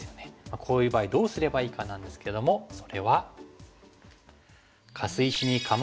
こういう場合どうすればいいかなんですけどもそれは。